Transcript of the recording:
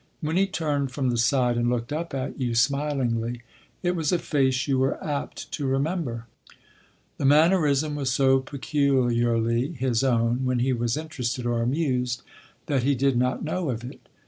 When he turned from the side and looked up at you smilingly, it was a face you were apt to remember. The mannerism was so peculiarly his own when he was interested or amused, that he did not know of it.